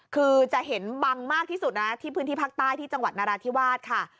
คือจะเห็นบังมากที่สุดนะที่พื้นที่ภาคใต้ที่จังหวัดนราธิวาสค่ะ